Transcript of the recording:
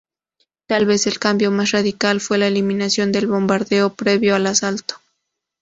Tal vez, el cambio más radical fue la eliminación del bombardeo previo al asalto.